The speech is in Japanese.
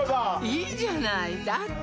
いいじゃないだって